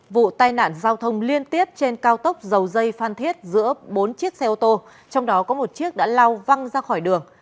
vụ tai nạn giao thông liên tiếp trên cao tốc dầu dây phan thiết giữa bốn chiếc xe ô tô trong đó có một chiếc đã lao văng ra khỏi đường